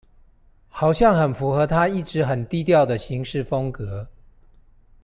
好像很符合他一直很低調的行事風格